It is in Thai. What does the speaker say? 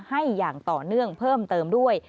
อย่างต่อเนื่องเพิ่มเติมด้วย